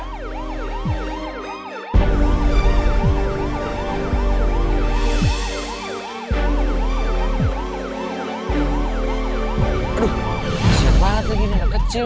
aduh siap banget lagi nih anak kecil